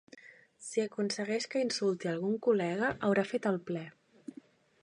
Si aconsegueix que insulti a algun col·lega haurà fet el ple.